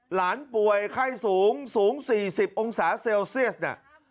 หลานป่วยไข้สูงสูง๔๐องศาเซลเซียสน่ะ